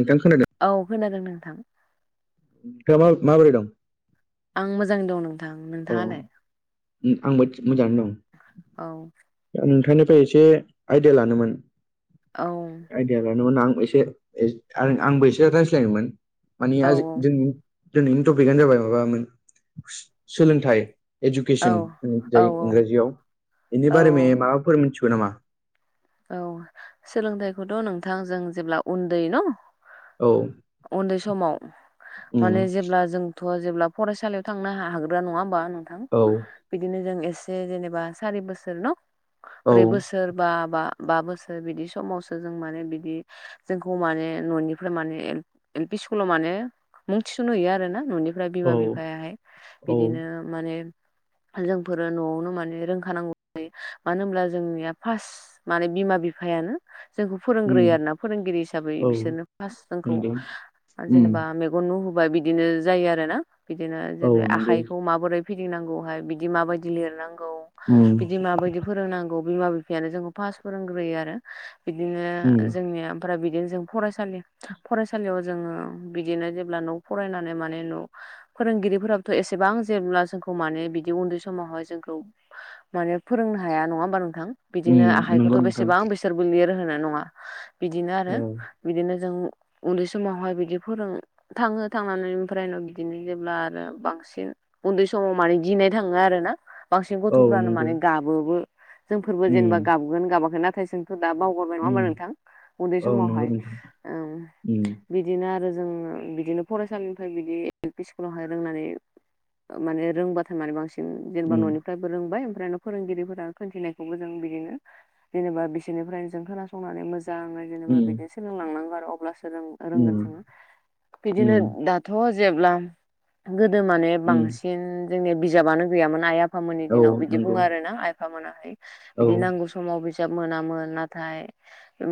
नोंथां खोनादों। औ खानादों नोंथां नों मा माबोरै दं आं मोजाङै दं नोंथां औ नोंथाङालाय? आंबो मोजाङानो दं औ। नोंथांनिफ्राय एसे आइदिया लानोमोन। औ। आइदिया लानोमोन आं एसे आंबो एसे रायज्लायनोमोन मानि औ जोंनि दिनैनि टपिकनो जाबाय माबामोन सोलोंथाइ औ इडुकेसन जाय इंराजियाव औ बेनि बारै म माबाफोर मिथिगौ नामा? औ सोलोंथाइखौथ' नोंथां जों जेब्ला उन्दै न' औ। उन्दै समाव उम माने जेब्ला जों थ' जेब्ला फरायसालियाव थांनो हाग्रा नङा होमबा नोंथां। औ। बिदिनो जों एसे जेनेबा सारि बोसोर न? औ ब्रै बोसोर बा बा बा बोसोर बिदि समावसो जों माने बिदि जोंखौ माने न'निफ्राय माने एल पि स्कुलाव माने मुं थिसन हैयो आरो ना न'नि ओमफ्राय औ बिमा बिफायाहाय औ बिदिनो माने जोंफोर न'आवनो माने रोंखानांगौ जायो मानो होनब्ला जोंनिया फास माने बिमा बिफायानो जोंखौ उम फोरोंग्रोयो आरोना फोरोंगिरि हिसाबै औ बिसोरनो फास जोंखौ नंगौ उम जेनेबा नु होबाय बिदिनो जायो आरो ना बिदिनो जै औ नंगौ आखायखौ माबोरै फिदिंनांगौहाय बिदि माबायदि लिरनांगौ उम बिदि माबायदि फोरोंनांगौ बिमा बिफायानो जों पास फोरोंग्रोयो आरो बिदिनो उम जोंनिया ओमफ्राय बिदिनो जों फरायसालि फरायसालियाव जोङो बिदिनो जेब्ला न' फरायनानै माने न' फोरोंगिरिफोराबोथ' एसेबां जेब्ला जोंखौ माने बिदि उन्दै समावहाय जोंखौ माने फोरोंनो हाया नङा होमबा नोंथां? बिदिनो उम नंगौ आखाइखौथ' नोंथां। बेसेबां बिसोरबो लिर होनो नङा बिदिनो आरो औ बिदिनो जों उन्दै समावहाय बिदि फोरों थाङो थांनानै ओमफ्रायनो बिदिनो जेब्ला आरो बांसिन उन्दै समाव माने गिनाय थाङो आरो ना बांसिन औ गथ'फ्रानो नंगौ माने गाबोबो जोंफोरबो उम जेनेबा गाबगोन गाबाखै नाथाय जोंथ दा बाव गभमेन्ट उम माबा नोंथां उन्दै औ नंगौ समावहाय नोंथां उम बिदिनो आरो जोङो बिदिनो फरायसालिनिफ्राय बिदि एल पि स्कुलावहाय रोंनानै माने रोंबाथाय माने बांसिन जेनेबा उम न'निफ्रायबो रोंबाय ओमफ्रायनो फोरोंगिरिफोरा खोन्थिनायखौबो जों बिदिनो जेनेबा बिसोरनिफ्रायनो जों खोनासंनानै मोजाङै जेनेबा उम बिदिनो सोलोंलांनांगौ आरो अब्लासो रों रोंगोन उम जोङो बिदिनो उम दाथ' जेब्ला गोदो माने उम बांसिन जोंनिया बिजाबानो गैयामोन आइ आफामोननि औ दिनाव बिदि नंगौ बुङो आरो ना आइ आफामोनाहाय औ बिदि नांगौ सम समाव बिजाब मोनामोन नाथाय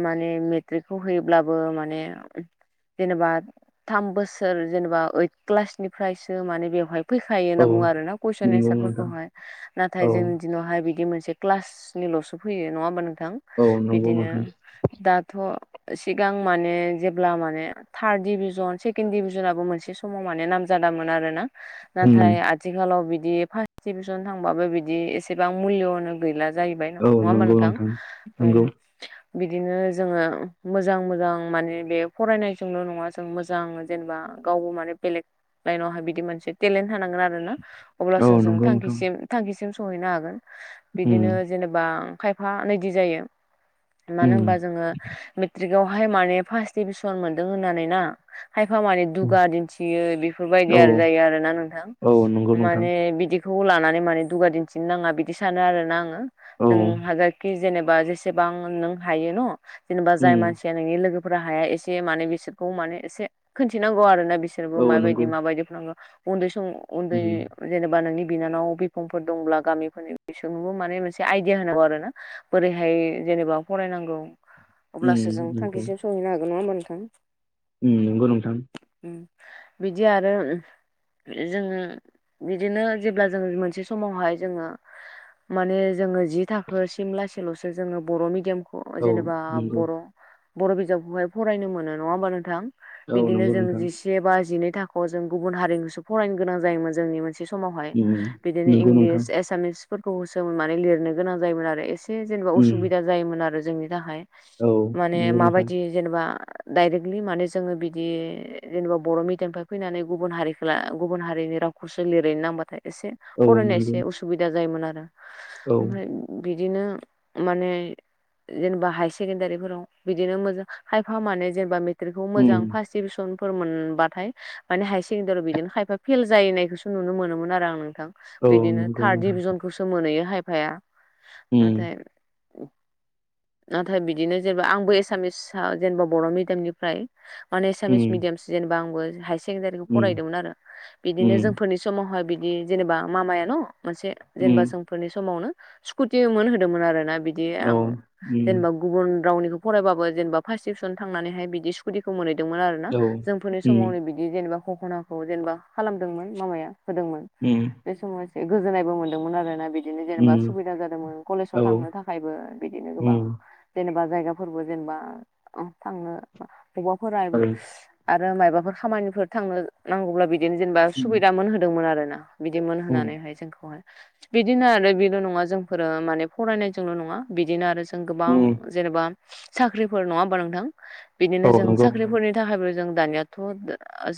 माने मेट्रिकखौ होयोब्लाबो माने जेनेबा थाम बोसोर जेनेबा ओइथ क्लासनिफ्रायसो माने बेवहाय फैखायो औ होनना बुङो आर ना कुइसन नंगौ नोंथां एन्सारफोरखौहाय नाथाय औ जोंनि दिनावहाय बिदि मोनसे क्लासनिल'सो फैयो नङा होमबा नोंथां औ नंगौ बिदिनो नोंथां दाथ' सिगां माने जेब्ला माने थार्द डिभिजन सेकेणड डिभिजनाबो मोनसे समाव माने नामजादामोन आर ना उम नाथाय आथिखालाव बिदि फार्स्ट डिभिसन थांबाबो बिदि एसेबां मुल्यनो गैला जाहैबाय नङा औ होमबा नंगौ नोंथां नंगौ। बिदिनो जोङो मोजां मोजां माने बे फरायनायजोंल' नङा जों मोजां जेनेबा गावबो माने बेलेक लाइनावहाय बिदि मोनसे टेलेन्ट होनांगोन आरो ना औ अब्लासो जों नंगौ नोंथां थांखिसिम थांखिसिम सहैनो हागोन उम बिदिनो जेनेबा खायफाानायायदि जायो उम मानो होनबा जोङो मेस्ट्रिक आवहाय माने फार्स्ट डिभिसन मोन्दों होननानै ना खायफा मानिे उम दुगा दिन्थियो बेफोरबायदि औ आरो जायो आरो ना नोंथां औ नंगौ नोंथां माने बिदि बेखौ लानानै माने दुगा दिन्थिननो नाङा बिदि सानो आरो ना आङो। औ जों हाजखि जेनेबा जेसेबां नों हायो न जेनेबा जाय उम मानसि जाया नोंनि लोगोफोरा हाया एसे माने बिसोरखौ माने एसे खोनन्थिनांगौ आरो ना बिसो सोरबो औ माबायदि नंगौ माबायदि फोरांगौ उन्दै सम उन्दै उम जेनेबा नोंनि बिनानाव बिफांफोर दंब्ला गामिफोरनिसोंबो माने मोनसे आइ गियान होनांगौ आरो ना बोरैहाय जेनेबा फरायनांगौ। अब्लासो उम जों नंगौ थांखिसिम सहैनो हागोन नङा होमबा नोंथां। उम नंगो नोंथां। बिदि आरो आरो जोङो बिदिनो जेब्ला जों मोनसे समावहाय जोङो माने जोङो जि थाखोसिम लासैल'सो जोङो बर' मिडियामखौ औ जेनेबा नंगौ बर' बर' बिजाबखौहाय फरायनो मोनो नङा होमबा नोंथां औ बिदिनो नंगौ जों नोंथां जि से बा जिनै थाखोआव जों गुबुन हारिजोंसो फरायनो गोनां जायोमोन जोंनि मोनसे समावहाय उम बिदिनो नंगौ नोंथां इंलिस एसामिसफोरखौ होसो मान लिरनो गोनां जायोमोन आरो जेनेबा उम असुबिदा जायोमोन आरो जोंनि थाखाय औ माने नंगौ नोंथां माबायदि जेनेबा डाइरेक्टलि माने जोङो बिदि जेनेबा बर' मिडियामनिफ्राय फैनानै गुबुन हारि गुबुन हारिनि रावखौसो लिरैनो नांबाथाय एसे औ फरायनाय नंगौ एसे उसुबिदा जायोमोन आरो औ ओमफ्राय बिदिनो माने जेनेबा हायार सेकेणडारिफोराव बिदिनो मोजां हाइफा मानो जेनेबा मेट्रिकखौ उम मोजां फास टिउसनफोर मोनबाथाय माने हायार सेकेण्डारियाव बिदिनो खायफा फेल जायनायखौसो नुनो मोनोमोन आरो आं नोंथां औ बिदिनो नंगौ थार्द नोंथां डिभिजनखौसो मोनहैयो हायफाया उम नाथाय नाथाय बिदिनो जेनेबा आंबो एसामिसआ जेनेबा बर' मिडियामनिफ्राय माने एसामिस उम मिडियामसो जेनेबा आंबो हायार सेकेण्डारिखौ उम फरायदोंमोन आरो बिदिनो उम जोंफोरनि समावहाय बिदि जेनेबा मामाय न' मोनसे जेनेबा उम जोंफोरनि समावनो स्कुटि मोनहो होदोंमोन आरोना बिदि औ आं उम जेनेबा गुबुन रावनिखौ फरायबाबो जेनेबा फार्स् डिभिसन थांनानैहाय बिदि दिखौ मोनहैदोंमोन आरो ना औ जोंफोरनि उम समावनो बि बिदि जेनेबा खखनाखौ जेनेबा खालामदोंमोन मामाया होदोंमोन ओ बे समाव एसे गोजोननायबो मोन्दोंमोन आरो ना बिदि बिदिनो जेनेबा उम सुबिदा जादोंमोन कलेजाव औ थांनो थाखायबो बिदिनो गोबां उम जेनेबा जायगाफोरबो जेनेबा थांनो बबाफोरो आरो आरो मायबाफोर खामानिफोर थांनो नांगौब्ला बिदिनो जेनेबा उम सुबिदा मोनहोदोंमोन आरो ना बिदि मोनहानैहाय जोंखौहाय बिदिनो आरो बेल' नङा जोंफोरो माने फरायनायजोंल' नङा बिदिनो आरो जों गोबां उम जेनेबा साख्रिफोर नङा होमबा नोंथां बिदिनो औ जों नंगौ साख्रिफोरनि बिनि थाखायबो जों दानियाथ'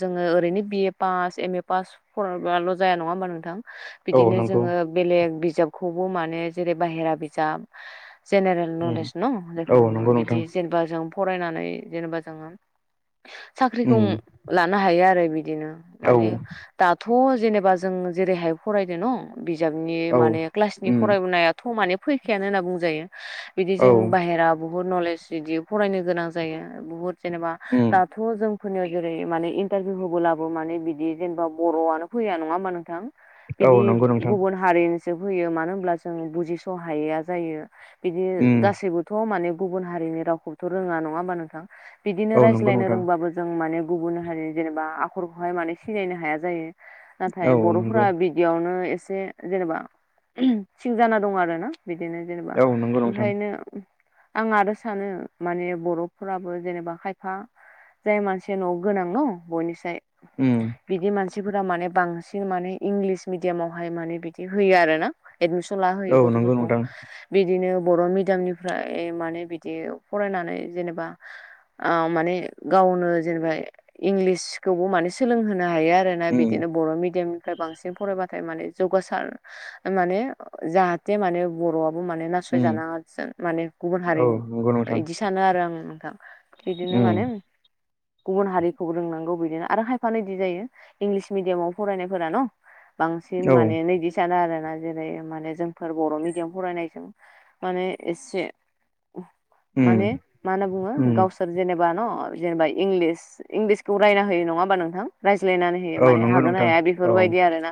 जोङो ओरैनो B A pass M A pass फरायबाल' जाया नङा होमबा नोंथां औ बिदिनो नंगौ जोङो बेलेग बिजाबखौबो माने जेरै बाहेरा बिजाब जेनेरेल नलेज उम दं जायखौ औ बुङो नंगौ बिदि नोंथां जेनेबा जों फरायनानै जेनेबा जोङो साख्रिखौ उम लानो हायो आरो बिदिनो औ माने दाथ' जेनेबा जों जेरैहाय फरायदो न' बिजाबनि औ माने क्लासनि उम फरायबोनाय थ' माने फैखायानो होनना बुंजायो बिदि औ जों बाहेरा बुहुत नलेज बिदि फरायनो गोनां जायो बुहुत जेनेबा उम दाथ' जों फोरनियाव जेरै माने इन्टारभिउ होबोलाबो माने बिदि जेनेबा बर'आनो फैया नङा होमबा नोंथां औ बिदि नंगौ नोंथां गुबुन हारिनि जोब होयो मानो होनब्ला जों बुजिस' हाया जायो बिदि उम गासैबो माने गुबुन हारिनि रावखौबोथ' रोङा नङा होमबा नोंथां बिदिनो औ नंगौ रायज्लायनो नोंथां रोंबाबो जों माने गुबुन हारि जेनेबा आखरखौहाय माने सिनायनो हाया जायो नाथाय औ नंगौ बर'फोरा बि बेयावनो एसे जेनेबा सिं जाना दं आरो ना बिदिनो जेनेबा औ नंगौ नोंथां ओंखायनो आं आरो सानो माने बर'फोराबो जेनेबा खायफा जाय मानसिया न'आव गोनां बयनिसाय उम बिदि मानसिफोरा माने बांसिन माने इंलिस मिडियामाव बेहाय माने बिदि होयो आरो ना एदमिसन ला होयो औ नंगौ गथ'फोरखौ नोंथां बिदिनो बर' मिडियामनिफ्राय माने बिदि फरायनानै जेनेबा माने गावनो जेनेबा इंलिसखौबो माने सोलोंहोनो हायो आरो उम बिदिनो बर' मिडियामनिफ्राय बांसिन फरायबा माने जौगासार माने जाहाथे माने बर' माने उम नासयजानाङा माने गुबुन हारि औ नंगौ नोंथां बिदि सानो आरो आं नोंथां बिदिनो उम माने गुबुन हारिखौ रोंनांगौ बिदिनो आरो खायफानोदि जायो इंलिस मिडियामाव फरायनायफोरा न' बांसिन औ माने नैदि सानो आरोना जेरै माने जोंफोर बर' मिडियाम फरायनायजों माने एसे उम माने मा होनना बुङो उम गाव सोर जेनेबा न जेनेबा इंलिस इंलिसखौ रायना होयो नङा हबा नोंथां रायज्लायनानै होयो औ माने नंगौ हागोना नोंथां हाया औ बेफोरबायदि आरो ना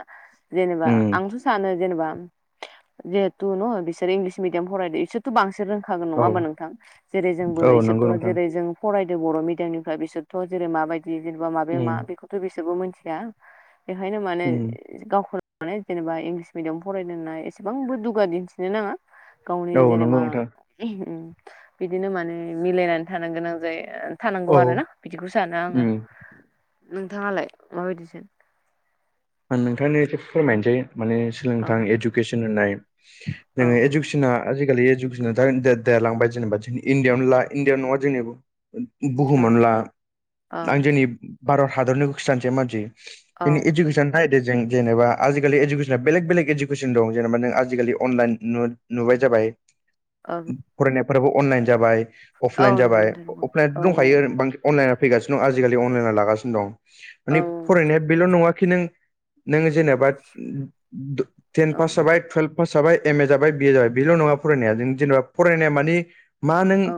जेनेबा उम आंथ' सानो जेनेबा जिहेथु न बिसोर इंलिस मिडियाम फरायदों इसोर थ' बांसिन रोंखागोन नङा औ होमा नोंथां जेरै जोंबो औ नंगौ इसोरथ' नोंथां जेरै जों फरायदों बर' मिडियामनिफ्राय बिसोरथ' जेरै माबायदि जेनेबा माबे मा उम बेखौथ' बिसोरबो मिथिया बेखायनो माने उम गावखौ ल' जेनेबा इंलिस मिडियाम फरायदों होनना एसेबांबो दुगा दिन्थिनो नाङा गावनि औ नंगौ जेनेबा नोंथां बिदिनो माने मिलायनानै थानो गोनां जायो। औ थानांगौ आरोना बिदिखौ सानो आङो उम नोंथाङालाय माबायदिसो आं नोंथांनो एसे फोरमायनोसै माने औ सोलोंथां इडुकेसन होननाय औ जोङोे इदु केसना आजिखालि इडुकेसना देरलांबाय जेनेबा इणडियआव ला इण्डिआव नङा जेनेबा बुहुम औ मोनला औ आं जोंनि भारत हादरनि गोसो सानसे मानसि जोंनि इडु नायदो जों जेनेबा आिखालि इडुकेसना बेलेग बेलेग इडुकेसन दं जेनेबा नों आजिखालि अनलाइन नुबाय जाबाय औ फरायनायफोराबो अनलाइन जाबाय औ अफलाइन नंगौ जाबाय नोंथां नंगौ औ अफलाइनथ' औ दंखायो बां अनलाइना फैगासिनो दं आजिखालि अनलाइना लागासिनो दं औ मानि फरायनाया बेल' नङाखि नों नों जेनेबा टेन पास जाबाय टुवेल्भ पास जाबाय एम ए जाबाय बिए जाबाय बेल' नङा फरायनाया जों जेनेबा फरायनाया मानि मा नों औ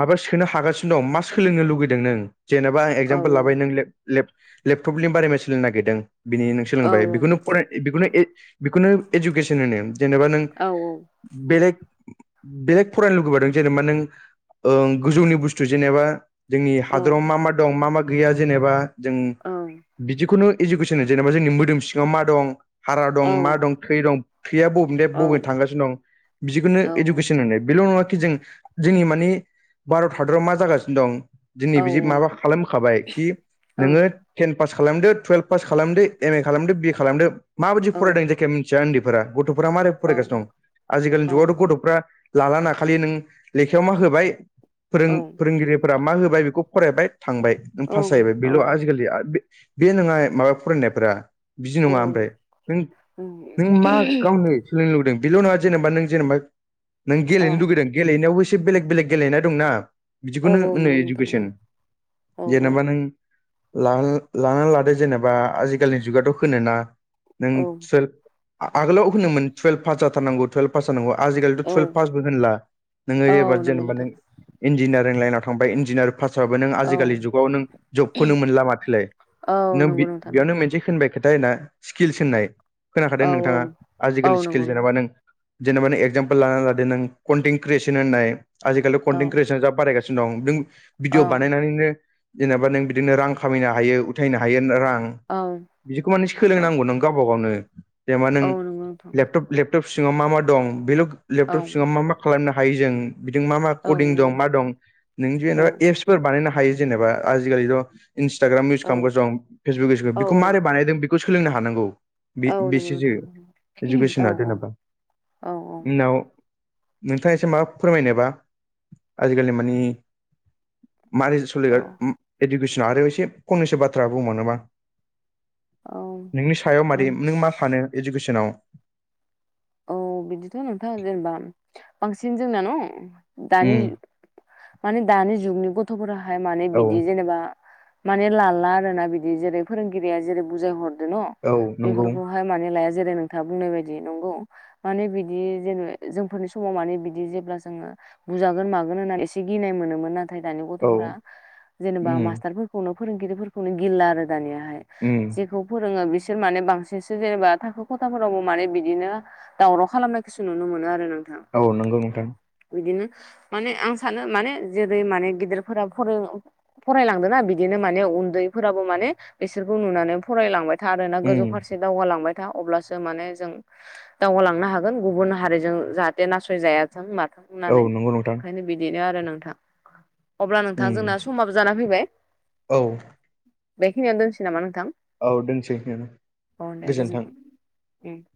माबा सोनो हागासिनो दं मा सोलोंनो लुगैदों नों जेनेबा आं औ एगजामपोल लाबाय नों ले-लेपटपनि बारे सोलोंनो नागिरदों बिनि नों औ सोलोंबाय बेखौनो फराय बेखौनो बेखौनो इडुकेसन होनो जेनेबा नों औ औ बेलेग बेलेक फरायनो लुुबैबादों जेनेबा नों ओ गोजौनि बुस्थु जेनेबा जोंनि औ औ हादराव मा मा दं मा मा गैया जेनेबा जों बिदिखुनु इडुकेसन जेनेबा जोंनि मोदोम सिङाव मा दं हारा दं मा दं थै दं थैया बब दे बबेनो थांगासिनो दं बिदिखौनो इडुकेसन मोननाय बेल' नङााखि जों जोंनि माने भारत हादरा मा जागासिनो दं औ दिनै बिदि माबा खालामखाबाय कि नोङो टेन पास खालामदो टुयेल्भ पास खालामदो एम ए खालामदो बि ए खालामदो माबायदि फरायदों जायखिया मिन्थिया उन्दैफोरा गथ'फ्रा मारै फरायगासिनो दं आजिखालिनि जुगावथ' गथ'फ्रा लालाना नों खालि नों लेखायाव मा होबाय फोरों फोरोंगिरि फोरा मा होबाय बेखौ फरायबाय थांबाय पास जाहैबाय बेल' आजिखालि बे नङा माबा फरायनायफोरा बिदि औ नङा ओमफ्राय नों नों मा गावनो सोलिनो लुगैदों बेल' नङा जेनेबा नों जेनेबा नों गेलेनो लुगैदों गेलेनायावबो एसे बेलेग बेलेग गेलेनाय दंना बिदिखौनो नंगौ होनो नोंथां इडुकेसन नंगौ औ औ जेनेबा नों लानानै लादो जेने बा आजिखालिनि जुगाथ' होनोना नों औ सोर आगोलाव होनोमोन तुवेल्भ पास जाथारनांगौ टुवेल्भ पास जानांगौ आजिखालिथ' औ टुयेल्भ पासबो होनला नोङो औ एबार नंगौ जेनेबा नों नोंथां इन्जिनियारिं लाइनाव थांबा इन्जिनियार पासा जाबाबो नों औ आजिखालि जुगाव नों जबखौनो मोनला माथोलाय औ नों नंगौ नोंथां बेयावनो नंगौ मोनसे होननाय खोथा होना स्किल्स होननाय खोनाखादों औ औ नोंथाङा औ आजिखालि नंगौ स्किल्स जेनबा नों जेनेबा एगजाम्पोल लानानानै लादों नों कन्टेट क्रियेसन होननाय आजिखालि औ कन्टेन् क्रियेसन जा बारायगासिनो नों औ भिडिअ बानायनानैनो जेनेबा नों बिदिनो रां खामायनो हायो उथायनो हायो रां औ बिदिखौ माने औ सोलोंनांगौ नों गावबा गावनो जेनेबा नों औ नंगौ नोंथां लेपटपे लेप लेपटप सिङाव मा मा दं बेल औ लेपटप सिङाव मा मा खालामनो हायो जों बिदिनो मा मा औ कदिं दं मा दं नों औ जेनेबा एपसफोर बानायनो हायो जेनेबा आजिखालिथ इन्स्टाग्राम इउस औ खालामगासिनो दं फेसबुक इउस औ बेखौ मारै बानायदों बेखौ सोलोंनो हानांगौ बे औ बेस नंगौ जो नोंथां नंगौ नंगौ। औ इडुकेसना जेनेबा औ औ उनाव नोंथाङा एसे मा फोरमायनोबा आजिखालि माने मारै सलिग औ इडुकेसना आरो एसे फंनैसो बाथ्रा बुंबावनोबा औ नोंनि सायाव औ मादि नों मा सानो इडुकेसनाव औ बिदिथ नोंथाङा जेनेबा बांसिन जोंना न उम दानि माने दानि जुगनि गथ'फोराहाय माने औ बिदि जेनेबा माने लाला आरोना बिदि जेरै फोरोंगिरिया जेरै बुजाय हरदो न औ नंगौ बेफोरखौह लाया जेरै नोंथाङा बुंनाय बायदि नंगौ माने बिदि जेनबा जोंफोरनि समाव माने बिदि जेब्ला जोङो बुजागोन मागोन होननानै एसे गिनाय मोनोमोन न थाय दानि औ गथ'फोरा्रा उम जेनेबा मास्टारफोरखौनो फोरोंगिरिफोरखौनो गिला आरो दानियाहाय उम जेखौ फोरोङो बिसोर माने बांसिनसो जेनेबा थाखो खथाफोरावबो माने बिदिनो दावराव खालामनायखौसो नुनो मोनो आरो नोंथां औ नंगौ नोंथां बिदिनो माने आं सानो माने जेरै माने गिदिरफोरा फोरोङो फरायलांदोंना बिदिनो माने उन्दैफोराबो माने बिसोरखौ नुनानै फरायलांबाय था आरोना उम गोजौ फारसे दावगालांबाय था अब्लासो माने जों दावगालांनो हागोन गुबुन हारिजों जाहाथे नासय जायाथों माथों औ होननानै नंगौ नोंथां ओंखायनो बिदिनो आरो नोंथां अब्ला नोंथां उम जोंना समाबो जाना फैबाय औ बेखिनियावनो दोननोसै नामा नोंथां औ दोनसै नों अ दे गोजोन्थों गोजोनथों उम